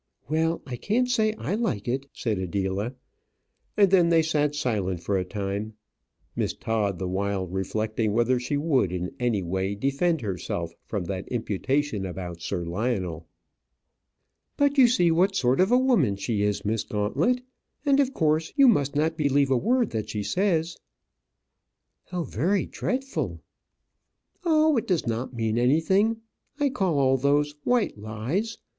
"Well, I can't say I like it," said Adela; and then they sat silent for a time, Miss Todd the while reflecting whether she would, in any way, defend herself from that imputation about Sir Lionel. "But you see what sort of a woman she is, Miss Gauntlet; and, of course, you must not believe a word that she says." "How very dreadful!" "Oh; it does not mean anything. I call all those white lies.